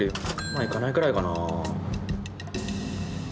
万いかないくらいかな。